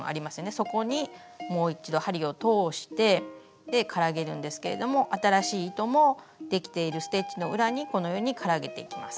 そこにもう一度針を通してからげるんですけれども新しい糸もできているステッチの裏にこのようにからげていきます。